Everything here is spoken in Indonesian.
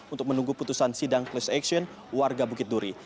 untuk menunggu putusan sidang plus action warga bukit duri